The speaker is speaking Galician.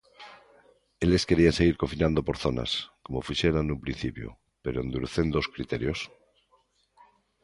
Eles querían seguir confinando por zonas, como fixeran nun principio, pero endurecendo os criterios.